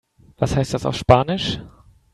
Was heißt das auf Spanisch?